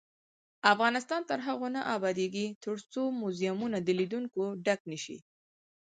افغانستان تر هغو نه ابادیږي، ترڅو موزیمونه د لیدونکو ډک نشي.